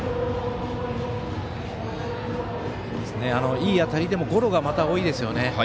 いい当たりでもゴロがまた多いですよね。